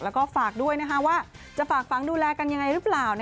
แล้วก็ฝากด้วยว่าจะฝากฝังดูแลกันยังไงหรือเปล่า